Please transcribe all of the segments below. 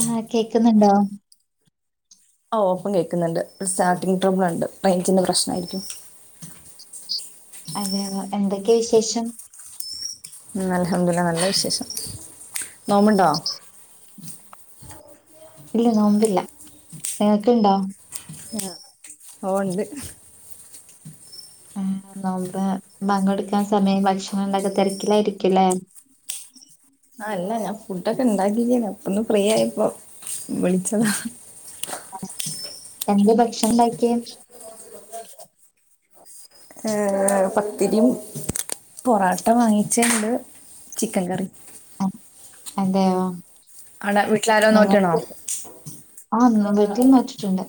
ആഹ് കേക്കുന്നുണ്ടോ? ഓഹ് ഇപ്പം കേൾക്കുന്നുണ്ട് സ്റ്റാർട്ടിങ് ട്രൗബിൾ ഉണ്ട് മൈക്കിന്റെ പ്രശ്നായിരിക്കും. അതെയൊ എന്തൊക്കെ വിശേഷം ഉം അൽഹംദുല്ലാഹ് നല്ല വിശേഷം നോമ്പ്ണ്ടോ ഇല്ല നോമ്പില്ല നിങ്ങക്ക്ണ്ടോ ഓഹ് ണ്ട് ഉം നോമ്പ് ബാങ്കോടുക്കാൻ സമയം ഭക്ഷ്ണോണ്ടക്ക തെരക്കിലാരിക്കുല്ലേ ആഹ് അല്ല ഞാൻ ഫുഡക്കെ ണ്ടാക്കിരിക്ണ് അപ്പൊന്ന് ഫ്രീ ആായപ്പോ വിളിച്ചതാ എന്തെ ഭക്ഷണണ്ടാക്കിയെ ഏഹ്.... പത്തിരീം പൊറോട്ട വാങ്ങിച്ചണ്ട് ചിക്കൻ കറി അ- അതെയോ അടെ വീട്ടിലാരോ നോറ്റണോ നിങ്ങൾക്ക് ആഹ് വീറ്റീനോറ്റിറ്റുണ്ട്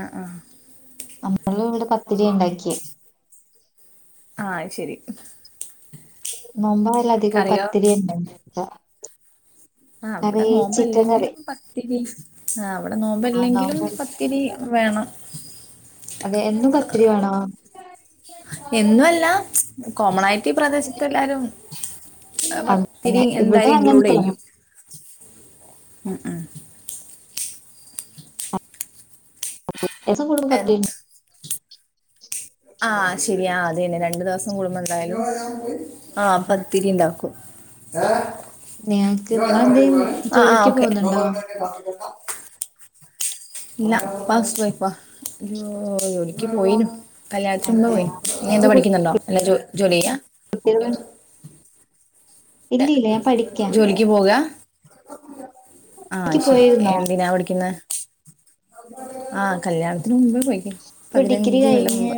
ആ ആ നമ്മള് ഇവിടെ പത്തിരിണ്ടാക്കിയെ അഹ് അയ്ശരി നോമ്പയാൽ അധികം പത്തിരിയനെ ആഹ് വിടെ നോമ്പല്ലെങ്കിലും പത്തിരി ആഹ് ഇവിടെ ആഹ് നോമ്പല്ലെങ്കിലും നോമ്പ് പത്തിരി വേണം അതെ എന്നും പത്തിരി വേണോ എന്നുവല്ല കോമണായിട്ട് ഈ പ്രദേശത്ത് എല്ലാരും പത്തിരി അതെ ഇവിടെ എന്തായാലും ഇൻക്ലൂഡ് അങ്ങനത്തെയാണ്. ചെയ്യും ഉം ഉം എസം കൊടു പത്ത്മിന്റ്റ് ആഹ് ശരിയാ അഹ് അതന്നെ രണ്ടു ദിവസം കൂടുമ്പം എന്തായാലും ആഹ് പത്തിരിണ്ടാക്കും നിങ്ങൾക്ക് ആഹ് നിങ്ങളെന്തേലും ആഹ് ജോലിക്ക് ഓക്കെ പോകുന്നുണ്ടോ? ഇല്ല അപ്പ ഹൗസ് വൈഫാ ജോലിക്ക് പോയിനു കല്യാണത്തിന്ന് മുന്നേ അതെയോ പോയി ഇനി എനിക്ക് എന്താ പഠിക്കുന്നുണ്ടോ എല്ല ജോ ജോലി ചെയ്യാ കുട്ടികള് ഇല്ല ഇല്ല ഞാൻ പഠിക്കാ ജോലിക്ക് പോകാ ആഹ് ക്ക് ശരി പോയിരുന്നോ എന്തിനാ പഠിക്കുന്നെ ആഹ് കല്യാണത്തിന് മുമ്പ് പോയിക്ക്ണ് ഇപ്പൊ ഡിഗ്രി പതിനഞ്ച് കൊല്ലം കഴിഞ്ഞ്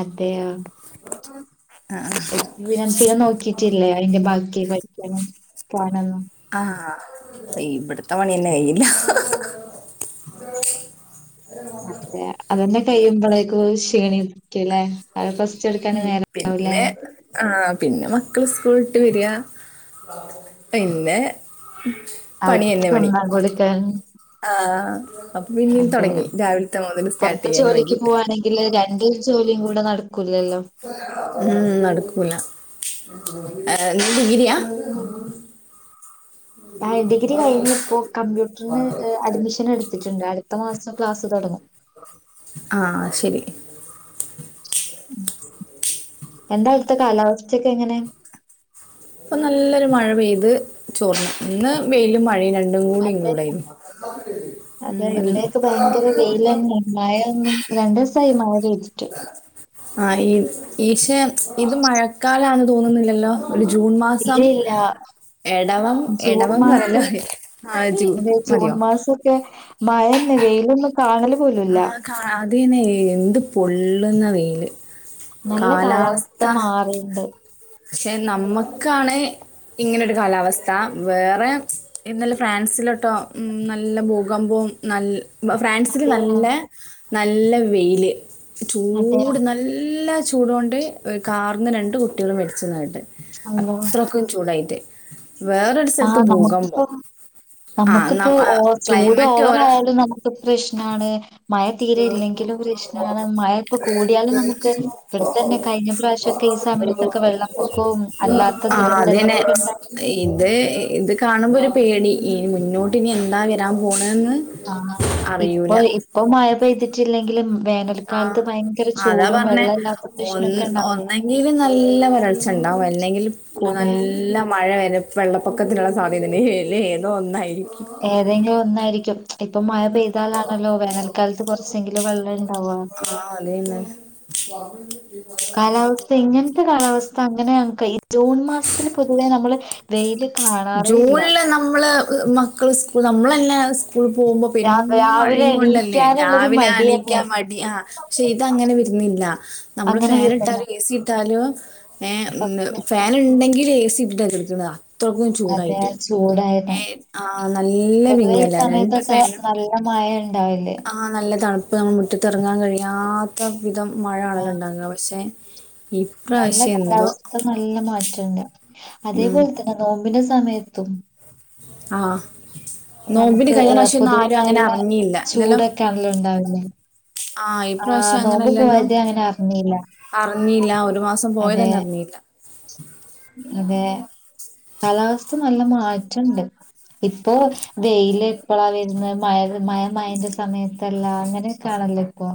അതെയോ എനിക്ക് പിന്നെ ആഹ് പിന്നെ നോക്കിട്ടില്ലേ അതിന്റെ ബാക്കി പഠിക്കാനും പോകാനൊന്നും ആഹ് ഇവിടത്തെ പണിന്നെ കയിഞ്ഞില്ല അതന്നെ കഴിയുമ്പോളേക്ക് ക്ഷീണിക്കില്ലേ അപ്പ റസ്റ്റ് എടുക്കാനേ ഉം നേ പിന്നെ ആഹ് പിന്നെ മക്കള് സ്കൂളിട്ട് വരിക പിന്നെ അവർക്ക് പണിയന്ന പണി തിന്നാൻ കൊടുക്കാൻ ആഹ് അപ്പൊ പിന്നേം അതെ തൊടങ്ങി രാവിലത്തെ മുതൽ സ്റ്റാർട്ട് പുറത്ത് ചെയ്യാൻ ജോലിക്ക് വൈകിട്ട് പോവാണെങ്കില് രണ്ട് ജോലിയും കൂടെ നടക്കൂലല്ലോ ഉം നടക്കൂല അം നീ ഡിഗ്രിയാ ആഹ് ഞാൻ ഡിഗ്രി കഴിഞ്ഞ് ഇപ്പോ കമ്പ്യൂട്ടറിന് അഡ്മിഷൻ എടുത്തിട്ടുണ്ട് അടുത്ത മാസം ക്ലാസ്സ് തുടങ്ങും ആഹ് ശരി എന്താ അവടുത്തെ കാലാവസ്ഥൊക്കെ എങ്ങനെ ഇപ്പൊ നല്ലൊരു മഴ പെയ്ത് ചോർന്നു ഇന്ന് വെയിലും മഴയും രണ്ട അതെ അതെ [unintelligible] ഉം ഇവിടെയൊക്കെ ഭയങ്കര വെയിലന്നെ മഴയൊന്നും രണ്ടീസായി മഴ പെയ്തിട്ട് ആഹ് ഈ യീശേ ഇത് മഴക്കാലന്ന് തോന്നുന്നില്ലല്ലോ ഒരു ജൂൺ ഇല്ല മാസം ഇല്ല എടവം ജൂൺ എടവം പറല്ല മാസം ആ ജ മതിയോ മഴന്ന വെയിലൊന്ന് കാണല് പോലുല്ല റിയനെ എന്ത് പൊള്ളുന്ന വെയില് നല്ല കാലാവസ്ഥ മാറിണ്ട് പക്ഷെ നമ്മുക്കാണ് ഇങ്ങനെ ഒരു കാലാവസ്ഥ വേറെ ഇന്നല്ല ഫ്രാൻസിലോട്ടോ നല്ല ബു [unintelligible] [unintelligible] അതെയാ നല്ല നല്ല വെയില് അതെയാ ചൂട് നല്ല ചൂടൊണ്ട് കാറിന്ന് രണ്ട് കുട്ടിളും മര്ച്ന്നാ ഏട്ട് അള്ളോ അത്രക്കും ചൂടായി ട്ടെ ആഹ് നമ [unintelligible] ആഹ് നമുക്കിപ്പോ നമ്മ ഓർ ചൂട് ക്ലൈമറ്റ് ഓവറ ഓരോ ആയാലും നമുക്ക് പ്രെഷ്നണ് മ ഇപ്പൊ കൂടിയാലും നമുക്ക് ഇവിടെത്തന്നെ കഴിഞ്ഞ പ്രാവശ്യമൊക്കെ ഈ സമയത്തൊക്കെ വെള്ളപ്പൊക്കവും അല്ലാത്ത ആഹ് അതന്നെ ദുരന്തങ്ങളൊക്കെ ഉണ്ടായി. ഇത് ഇത് കാണുമ്പോ ഒരു പേടി ഇനി മുന്നോട്ട് നി എന്താ വരാൻ പോണന്ന് ആഹ് ഇപ്പൊ ഇപ്പൊ മഴ പെയ്തിട്ടില്ലെങ്കിലും ആഹ് വേനൽക്കാലത്ത് ഭയങ്കര അതാ ചൂടും പറഞ്ഞേ വെള്ളമില്ലാത്ത ഒ പ്രശ്നമൊക്കെ ഉണ്ടാവും. ഒന്നെങ്കിലും നല്ല വരൾച്ച ഉണ്ടാവും പ്പ അല്ലെങ്കിൽ കു അതെ നല്ല മഴ വര വെള്ളപ്പൊക്കത്തിനുള്ള സാധ്യതയണ്ട് അല്ലെ ഏതോ ഒന്നായിരിക്കും ഏതെങ്കിലും ഒന്നായിരിക്കും [unintelligible] ഇപ്പൊ മഴ പെയ്താലാണല്ലോ വേനൽക്കാലത്ത് കൊറച്ചെങ്കിലും വെള്ളം ഇണ്ടാവ ആഹ് അതന്നെ കാലാവസ്ഥ ഇങ്ങൻത്തെ കാലാവസ്ഥ അങ്ങനെ അൻ കയി ജൂൺ മാസത്തിൽ പൊതുവേ നമ്മള് വെയില് കാണാറേയില്ല ഹ് മക്കൾ സ്കൂൾ നമ്മളന്നെ സ് സ്ക്കൂൾ പോകുമ്പോ രാ പെരും രാവിലെ മയും കൊണ്ടല്ലേ എണീക്കാനുള്ളൊരു രാവിലെ മടിയന്നെ. ഇണീക്കാൻ മടി ആഹ് പക്ഷെ ഇതങ്ങനെ വ് ന്നില്ല നമ്മള് അങ്ങനെ ഫാൻ വരുന്നില്ല ഇട്ടാലും എ സി ഇട്ടാലും ഏഹ് മ് പക്ഷെ ഫാൻണ്ടെങ്കിൽ ഏ സി ഇട്ട്ട്ട കട്‌ക്ക്ന്ന അത്രക്കും അതെ ചൂടായിട്ട് ചൂടായത് ഏഹ് ആഹ് നല്ല പൊതുവെ ഈ വിങ്ങല രണ്ട് സമയത്തൊക്കെ ഫാനും നല്ല മഴ ഉണ്ടാവില്ലേ ആഹ് നല്ല തണുപ്പ് നമ്മൾ മുറ്റത്തിറങ്ങാൻ കഴിയാത്ത വിധം മഴ ആണല്ലോ ആഹ് ഉണ്ടാക പക്ഷെ നല്ല ഇപ്രാവശ്യം എന്തോ കാലാവസ്ഥ നല്ല മാറ്റണ്ട്. ഉം അതേപോലെ തന്നെ നോമ്പിന്റെ സമയത്തും ആഹ്. നോമ്പിന് നമുക്ക് ഏഹ് കഴിഞ്ഞാറാശ്യം ഒന്നും പൊതുവെ ആരും അങ്ങനെ നല്ല അറഞ്ഞില്ല ഇല്ലല്ലോ? ചൂടൊക്കെ ആണല്ലോ ഉണ്ടാവുന്നെ ആഹ് ഇപ്രാവശ്യം അങ്ങനെ നോമ്പ് ഇല്ലല്ലോ? പോയത് അങ്ങനെ അറിഞ്ഞില്ല അറിഞ്ഞീല്ല ഒരു മാസം പോയത് അതെ തന്നെ അറിഞ്ഞീല്ല. അതെ കാലാവസ്ഥ നല്ല മാറ്റുണ്ട്. ഇപ്പോ വെയില് എപ്പള വരുന്നത് മയ മയ മയേന്റെ സമയത്തല്ല അങ്ങനെക്കാ ല്ലേ ഇപ്പോ?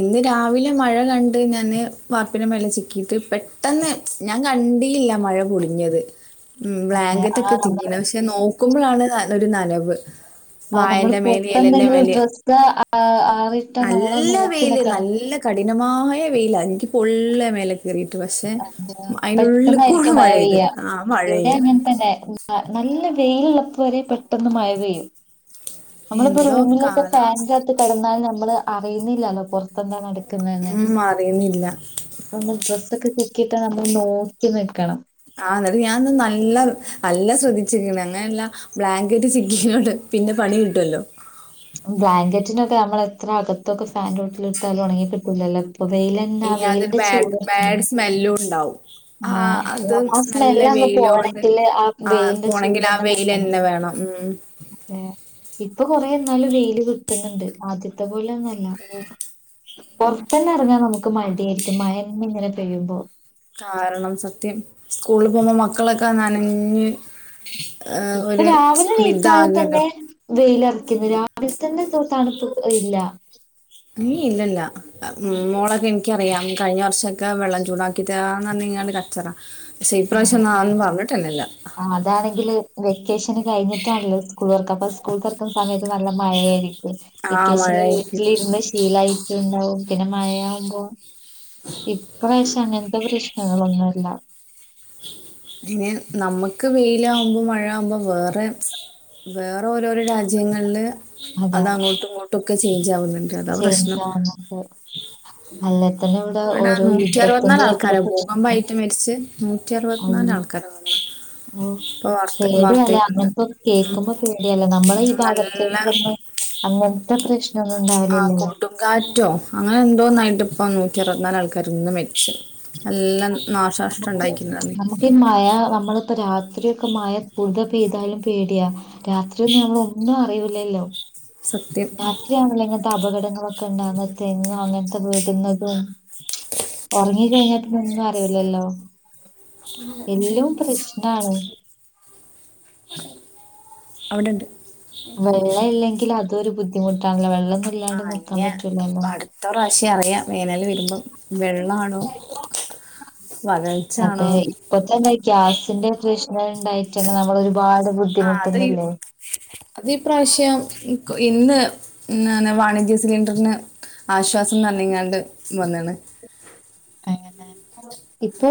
ഇന്ന് രാവിലെ മഴ കണ്ട് ഞാന് വാർപ്പിന്റെ മേലെ ചിക്കീയിട്ട് പെട്ടെന്ന് ഞാൻ കണ്ടീല്ല മഴ പൊടിഞ്ഞത്. ഉം അതെ ബ്ലാങ്കറ്റ് ആ ഒക്കെ നമ്മള് തിങ്ങിന് പക്ഷെ നോക്കുമ്പോളാണ് ഒരു നനവ്. ആഹ് നമ്മൾ വായന്റെ മേലെ ഇലന്റെ പൊറത്തെന്തെങ്കിലും മേലെ ഡ്രസ് ആ ആറിട്ട നമ്മൾ നല്ല വെയില് നല്ല കഠിനമായ വെയില എനിക്ക് പൊള്ള മേലെ കേറിട്ട [inaudible] പെട്ടെന്നായിരിക്കും മഴ പെയ്ത് പെയ്യാ. ആ മഴ ഇവിടെ പെയ്യാ അങ്ങനെ തന്നെ നല്ല വെയിലിള്ളപ്പോവരെ പെട്ടെന്ന് മഴ പെയ്യും. നമ്മളിപ്പോ എന്തോ റൂമിലൊക്കെ കാലാവസ്ഥ ഫാന്റെകത്ത് കിടന്നാൽ നമ്മള് അറിയുന്നില്ലല്ലോ പുറത്തെന്താ നടക്കുന്നെന്ന്. ഉം അറിയുന്നില്ല അപ്പ മ്മൾ ഡ്രെസ്സക്കെ ചിക്കിട്ടാ നമ്മൾ നോക്കി നിക്കണം. ആഹ് ന്നിട്ട് ഞാനിന്ന് നല്ല നല്ല ശ്രദ്ധിച്ചിനി വെള്ളയെല്ല ബ്ലാങ്കറ്റ് ചിക്കിനോണ്ട് പിന്നെ പണികിട്ടുല്ലോ? ബ്ലാങ്കറ്റിനൊക്കെ നമ്മൾ എത്ര അകത്തൊക്കെ ഫാന്റോട്ടിലിട്ടാലും ഉണങ്ങി കിട്ടൂലല്ലോ ഇപ്പൊ വെയിലന്നാ ഇനി അതൊരു വെയിലിന്റെ ബാഡ് ചൂടൊ ബാഡ് [unintelligible] സ്മെല്ലും ഉണ്ടാവും ആ ആഹ് അത് ആ നല്ല സ്മെല്ലങ്ങ് വെയിലോണ്ട് പോണെങ്കില് ആ വെയിലിന്റെ പോണെങ്കിൽ ആ ചൂടന്നെ വെയിൽ തട്ടണം തന്നെ വേണം ഉം ആ ഇപ്പൊ കൊറെ എന്നാലും വെയില് കിട്ടുന്നുണ്ട്. ആദ്യത്തെ പോലൊന്നു അല് ഈഹ് പൊറത്തന്നെ എറങ്ങാൻ നമുക്ക് മടി ആയിരിക്കും മയന്നെ ഇങ്ങനെ പെയ്യുമ്പോ കാരണം സത്യം സ്കൂളിൽ പോന്ന മക്കളൊക്കെ നനഞ്ഞ് ഏഹ് ഇപ്പൊ ഒരു രാവിലെ എണീച്ചാൽ തന്നെ വിധാകല്ലോ വെയിലറി ക്ക്ന്ന്. രാവിലെ തന്നെ തണുപ്പ് ഇല്ല ഈ ഇല്ലല്ല മോളക്കെ എണീ നിക്കറിയാം കഴിഞ്ഞ വർഷൊക്കെ വെള്ളം ചൂടാക്കി താന്ന് പറഞ്ഞ്ങ്ങാണ്ട് കച്ചറ പക്ഷെ ഇപ്രാവശ്യം ഒന്നും അതൊന്നും പറഞ്ഞിട്ടല്ലല്ല അതാണെങ്കില് വെക്കേഷന് കഴിഞ്ഞിട്ടാണല്ലോ സ്കൂൾ തൊറക്കാ ഇപ്പ സ്കൂൾ തൊറക്കുന്ന സമയത്ത് നല്ല മഴയായിരിക്കും ആ വെക്കേഷന് മഴയായിരിക്കും വീട്ടിലിരുന്ന് ശീലായിട്ടുണ്ടാവും പിന്നെ മഴയാവുമ്പോ ഇപ്രാവശ്യം അങ്ങനത്തെ പ്രശ്നങ്ങളൊന്നുല്ല പിന്നെ നമ്മക്ക് വെയിലാവുമ്പോ മഴ ആവുമ്പോ വേറെ വേറെ ഓരോരോ രാജ്യങ്ങളില് അതെ അത് അങ്ങോട്ടു ഇങ്ങോട്ടു ഒക്കെ ചേഞ്ച് ആവുന്നു ചേഞ്ച് ആവ്ന്ന്ണ്ട്. അല്ലേ തന്നെ ഇവിടെ ഓരോ നൂറ്റി അറുപത്തിനാല് യുദ്ധത്തിന്റെ ഒക്കെ ആൾക്കാര പ്രശ്നം ഭൂകമ്പായിറ്റ് മരിച്ചെ. നൂറ്റി അറുപത്തിനാല് ആൾക്കാരാ [inaudible] ഉം ഇപ്പൊ വാർത്ത വാർത്തേക്കണ്ട് പേടിയല്ലേ നമ്മളെ ഈ ഉം ഭാഗത്തേക്ക് നല്ല വന്ന് അങ്ങനത്തെ പ്രശ്നമൊന്നും ആ ഉണ്ടാവലില്ലല്ലോ കൊടുംങ്കാറ്റോ അങ്ങനെ എന്തോന്നായിട്ട് ഇപ്പങ്ങ് നൂറ്റിഅറുപത്തിനാല് ആൾക്കാരിന്ന് മരിച്ച്. എല്ലം നമുക്ക് നമുക്ക് മഴ നമ്മളിപ്പോ രാത് രിയൊക്കെ മഴ കൂടുത പെയ്താലും പേടിയാ. രാത്രി ഒന്നും നമ്മളൊന്നും അറിയൂല്ലല്ലോ സത്യം രാത്രിയാണല്ലോ ഇങ്ങനത്തെ അപകടങ്ങളൊക്കെ ഇണ്ടാവ്ന്നെ. തെങ്ങോ അങ്ങനത് വീക്ന്നതും. ഒറങ്ങിക്കഴിഞ്ഞാ പിന്നെ ഒന്നും അറിയില്ലല്ലോ ഉം ഉം അവിടെണ്ട് വെള്ളം ഇല്ലെങ്കിൽ അതുമൊരു ബുദ്ധിമുട്ടാണല്ലോ? വെള്ളൊന്നു ഇല്ലാണ്ട് നിക്കാൻ പറ്റൂലല്ലോ പക്ഷെ അറിയാം വേനല് വരുമ്പം വെള്ളാണോ അതെ വരൾച്ചാണോ ഇപ്പൊ തന്നെ ഗ്യാസിന്റെ പ്രശ്നണ്ടായിട്ട് തന്നെ നമ്മളൊരു ആ അത് അതീ പ്രാവശ്യം ഇന്ന് വാണിജ്യ സിലിണ്ടറിന് ആശ്വാസംന്ന് പറഞ്ഞിങ്ങാണ്ട് വന്ന്ണ് ഏഹ് ഇപ്പൊ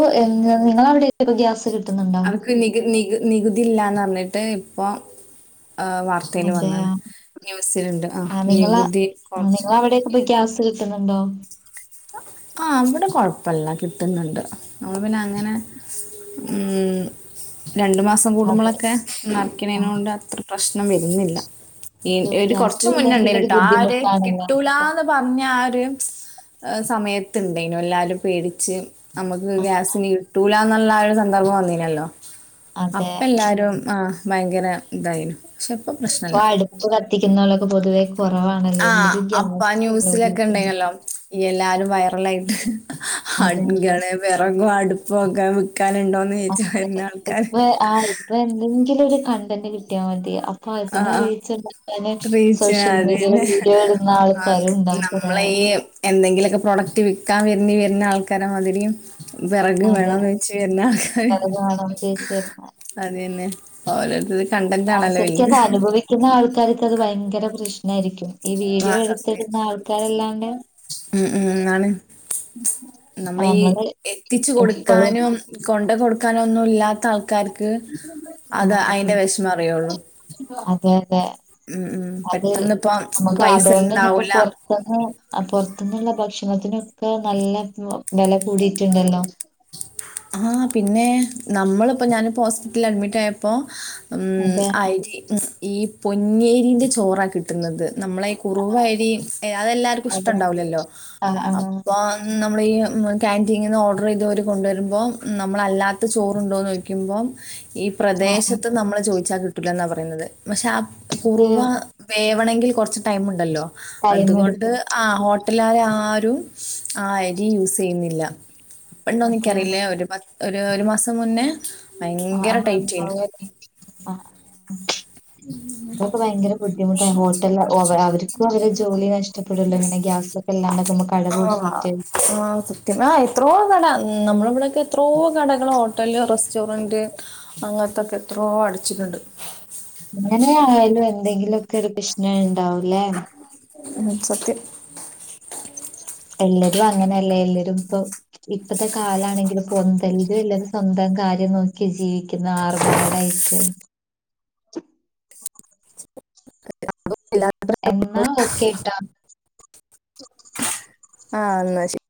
നിങ്ങളവിടെ ഗ്യാസ് കിട്ടുന്നുണ്ടോ അവർക്ക് നികു നികു നികുതി ഇല്ലാന്ന് പറഞ്ഞിട്ട് ഇപ്പൊ ആ വാർത്തേല് വന്ന്ണ്. അതെയാ ന്യൂസില്ണ്ട് ആ നികുതി ആ കൊർച്ച് നിങ്ങളവിടെയൊക്കെ ഇപ്പൊ ഗ്യാസ് കിട്ടുന്നുണ്ടോ ആഹ് ഇവിടെ കൊഴപ്പല്ല കിട്ടുന്നുണ്ട്. നമ്മള് പിന്നെ അങ്ങനെ ഉം രണ്ടു മാസം അതെ കൂടുമ്പോളൊക്കെ ആ നെറക്കണേനോണ്ട് അത്ര പ്രശ്നം വരുന്നില്ല ഏ നമുക്ക് എട് കൊറച്ച് ഗ്യാസും മുന്നെ ഇല്ലെങ്കിലൊരു ഇണ്ടേനുട്ടാ ആ ഒര് ബുദ്ധിമുട്ടാണല്ലോ നമുക്ക് കിട്ടൂലാന്ന് പറഞ്ഞ ആ ഒര് ഈഹ് സമയത്ത്ണ്ടേനു എല്ലാരും പേടിച്ച് നമ്മക്ക് ആ ഗ്യാസ് ഇനി കിട്ടൂലാന്ന് നല്ല ഒരു സന്ദർഭം വന്നിനല്ലോ? അതെ അപ്പ എല്ലാരും ആ ഭയങ്കര ഇതായിനു പക്ഷെ ഇപ്പൊ ഇപ്പ പ്രശ്നല്ല. അടുപ്പ് കത്തിക്ക്ന്നോലൊക്കെ പൊതുവേ കൊ ആഹ് അപ്പ ന്യൂസിലൊക്കെ ഉപയോഗിക്കുന്നു ഇണ്ടേനല്ലോ എല്ലാരും വയറലായിട്ട്. അതെ അതെ അടുക്കളേ വെറകും അടുപ്പൊക്കെ വിക്കാനുണ്ടോന്ന് ചോയിച്ച് അതെ വരുന്ന ആൾക്കാര്. ഇപ്പ ആ ഇപ്പ എന്തെങ്കിലും ഒരു കണ്ടന്റ് കിട്ടിയാ മതി. അപ് പ്പൊ ആഹ് അതിന് ആഹ് റീച്ചുണ്ടാക്കാന് റീച്ച് സോഷ്യൽ മീഡിയേല് അതന്നെ. വീഡിയോ ഇടുന്ന ആൾക്കാരും ഇണ്ടാവും കൊറേ എന്തെങ്കിലുമൊക്കെ പ്രൊഡക്റ്റ് വിൽക്കാൻ വരണ്ടി വരുന്ന ആൾക്കാര മാതിരി വിറക അതെ വേണംന്ന് വെച്ച വല്ല ആൾക്കാര് അത് കാണാൻ ചേച്ചി അത്ന്നെ ഓരോരുത്തത് കണ്ടന്റ് ആ ആണല്ലോ ശരിക്കും വീണ്ട് അത് അനുഭവിക്കുന്ന ആൾക്കാർക്ക് അത് ഭയങ്കര പ്രശ്നമായിരിക്കും ഈ വീടിയോ ആഹ് സത്യം. എടുത്തിടുന്ന ആൾക്കാരെല്ലാണ്ട് നമ്മളീഈ എത്തിച്ച കൊടുക്കാനോ കൊണ്ട കൊടുക്കാനോ ഒന്നും ഇല്ലാത്ത ആ കർക്ക് ആ അത് അതെ അയിറെ വിഷമം അറിയുള്ളു അതെ അതെ ഉം ഉ അത് പെട്ടന്ന് ഇപ്പ നമുക്ക് പൈസണ്ടാവൂല പുൊറത്തുന്നുള്ള ഭക്ഷണത്തിനൊക്കെ നല്ല വില കൂടിട്ടുണ്ടല്ലോ ആഹ് പിന്നെ നമ്മളിപ്പോ ഞാനിപ്പോ ഹോസ്പിറ്റലിൽ അഡ്മിറ്റ് ആയപ്പോൊ ഉ അതെ അരി ഈ പൊഞ്ഞേരിീന്റെ ചോറാണ് കിട്ടുന്നത് നമ്മള ഈ കുറവ് വഴി അതെല്ലാർക്കും അതെ ഇഷ്ടംണ്ടാവലല്ലോ ആ ആ അപ്പൊ നമ്മളീ ക്യാൻറ്റീനിൽ നിന്ന് ഓർഡർ ചെയ്തവർ കൊണ്ടുവരുമ്പോൾ നമ്മളല്ലാത്ത ചോറുണ്ടോന്ന് നോദിക്കുമ്പോം ഈ ആ പ്രദേശത്ത് നമ്മള് ചോദിച്ചാ കിട്ടൂല എന്നാ പറയുന്നത് പക്ഷെ ആ അത് കുറവ വേ ണെങ്കിൽറ ടൈ ഉണ്ടല്ലോ ടൈം അതുകൊണ്ട് എടുക്കും. മട്ടില്ലാരെ ആരും ആ അരി യൂസ് ചെയ്യുന്നില്ല അതെ പപ്പോെണ്ടോന്നിക്കറിയില്ലേ ഒരു ഒരു ഒരു മാസം മുന്നേ ആഹ ഭയങ്കര ടൈറ്റേനു ആ ഇതൊക്കെ ഭയങ്കര ബുദ്ധിമുട്ടായി ഹോട്ടല അവർക്കും അവര് ജോലി നഷ്ടപ്പെടുല്ലോ പിന്നെ ഗ്യാസൊക്കെ എല്ലാം ആഹ ആഹ സത്മ ആയി എത്രയോ കട നമ്മള ഇവിടെയൊക്കെ എത്രയോ കടകൾ ഹോട്ടല് റെസ്റ്റോറന്റ് അങ്ങനത്തൊക്കെ എത്ര എോ അടിച്ചിട്ടുണ്ട് അങ്ങനെ ആയാലും എന്തെങ്കിലുംൊക്കെ ഒരു പ്രശ്ന ഉണ്ടാവലേ എന്നച്ചക്കയ എല്ലരും അങ്ങനെയല്ലേ എല്ലരും ഇപ്പൊ ഇപ്പഴത്തെ കാലാണെങ്കില ഇ പന്തും എല്ലാവരും സ്വന്തം ആ നോക്കി ജീവിക്കുന്ന ആർഭാടായിട്ട് എന്നാ ഓക്കേട്ടാ ആഹ എന്നാ ശരി